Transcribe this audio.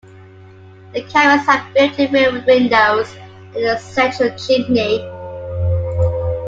The cabins have built-in windows and a central chimney.